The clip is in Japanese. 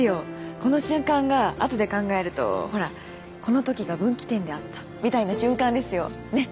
この瞬間があとで考えるとほら「このときが分岐点であった」みたいな瞬間ですよねっ！